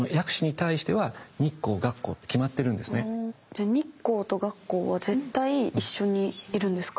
じゃあ日光と月光は絶対一緒にいるんですか？